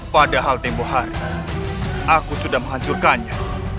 padahal tempo hari aku sudah menghancurkannya